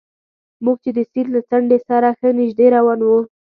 موږ چې د سیند له څنډې سره ښه نژدې روان وو.